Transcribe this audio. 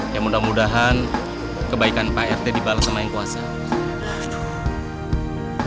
ya mudah mudahan kebaikan pak rt dibalas sama yang kuasa